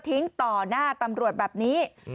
ต่อหน้าตำรวจแบบนี้